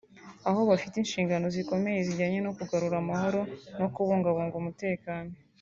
aho bafite inshingano zikomeye zijyanye no kugarura amahoro no kubungabunga umutekano